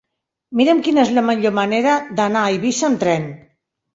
Mira'm quina és la millor manera d'anar a Eivissa amb tren.